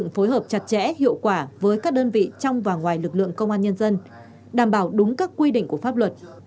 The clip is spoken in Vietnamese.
phối hợp chặt chẽ hiệu quả với các đơn vị trong và ngoài lực lượng công an nhân dân đảm bảo đúng các quy định của pháp luật